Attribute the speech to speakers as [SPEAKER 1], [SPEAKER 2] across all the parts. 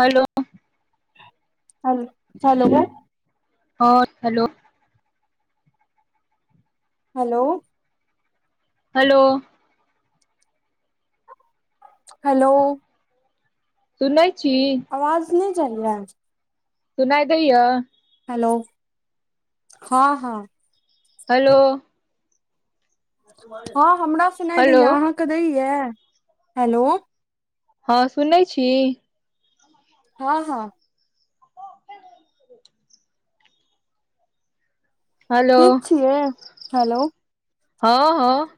[SPEAKER 1] Hello.
[SPEAKER 2] Hello hello.
[SPEAKER 1] हँ hello.
[SPEAKER 2] Hello.
[SPEAKER 1] Hello.
[SPEAKER 2] Hello.
[SPEAKER 1] सुनै छी।
[SPEAKER 2] आवाज नहि चलयै है।
[SPEAKER 1] सुनाई दैय।
[SPEAKER 2] हेलो हँ हँ।
[SPEAKER 1] हेलो।
[SPEAKER 2] हँ हमरा सुनाइ
[SPEAKER 1] हेलो
[SPEAKER 2] दया अहाँके दैया हेलो।
[SPEAKER 1] हँ सुनैत छी।
[SPEAKER 2] हँ हँ।
[SPEAKER 1] हेलो
[SPEAKER 2] ठीक छियै हेलो।
[SPEAKER 1] हँ हँ।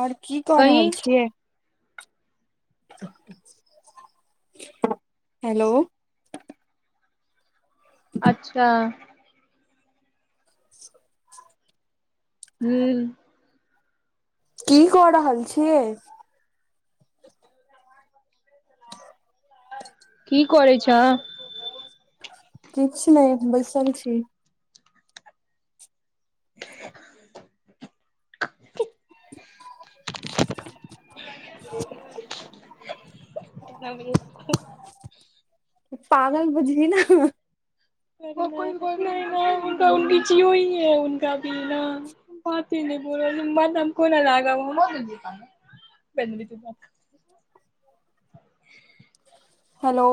[SPEAKER 2] ओर की क
[SPEAKER 1] कही
[SPEAKER 2] रहल छियै।
[SPEAKER 1] [inaudible]
[SPEAKER 2] हेलो।
[SPEAKER 1] अच्छा।
[SPEAKER 2] [unintelligible]
[SPEAKER 1] हू।
[SPEAKER 2] की कऽ रहल छियै।
[SPEAKER 1] की करै छै।
[SPEAKER 2] किछ नहि बैसाल छी
[SPEAKER 1] [unintelligible]
[SPEAKER 2] पागल बजरीना।
[SPEAKER 1] जियो ही है उनका भी न। भात नहि बोल ब कोना लागाब बात। [unintelligible]
[SPEAKER 2] हेलो।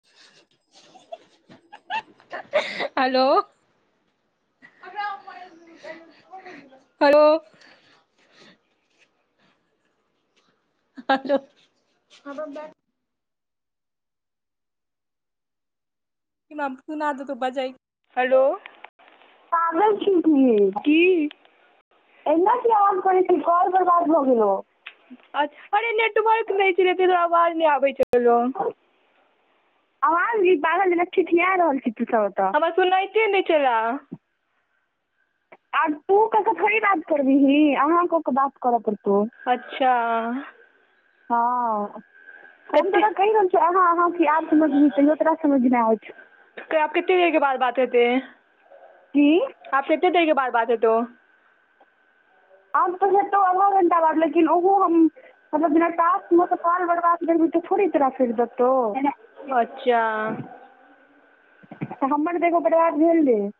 [SPEAKER 2] [inaudible]
[SPEAKER 1] हेलो। हेलो। हो। की मम दूनू आदमी के बजाय हेलो। पागल छी कि। अहिना किये ओहन पानि छै कल बर्बाद भ गेल। अछ अरे नेटवर्क नहि छलै तै दुआरे आवाज नहि आबै छलौ। अवाज इ पागल जेना ठिठियाय रहल छी तू सभ ओतऽ। हमरा सुनाइते नहि छलय।
[SPEAKER 2] [inaudible]
[SPEAKER 1] आ तू क के थोड़ी बात करबीही अहाँ क के बात करऽ परतौ। अच्छा। हँ हम तोरा कहि रहल अहाँ अहाँके हम एम्हर सुनही कहियो तोरा संगे विदा होय छै आब केते देर के बाद बात हेतै। कि आब कते देर के बाद बात हेतौ। आब तऽ हेतौ आधा घंटा बाद लेकिन ओहो हम अगर बिना कास्ट म सँ फॉर्म भरबाक जेबही त थोड़े तोरा छोड़ि देतौ। अच्छऽ तऽ हमर जगह बर्बाद भेलय।